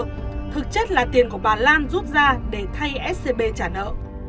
nhưng thực chất là tiền của bà lan rút ra để thay scb trả nợ